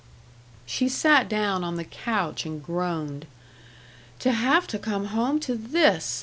She sat down on the couch and groaned: "To have to come home to this!